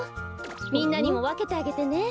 みんなにもわけてあげてね。